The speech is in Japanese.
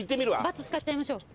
バツ使っちゃいましょう。